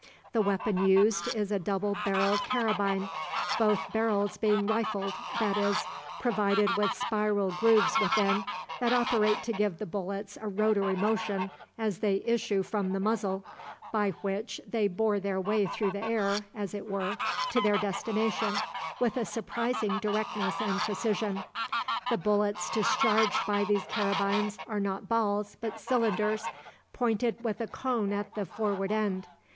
The weapon used is a double barreled carabine, both barrels being rifled, that is, provided with spiral grooves within, that operate to give the bullets a rotary motion as they issue from the muzzle, by which they bore their way through the air, as it were, to their destination, with a surprising directness and precision. The bullets discharged by these carabines are not balls, but cylinders, pointed with a cone at the forward end.